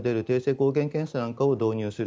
抗原検査なんかを導入する。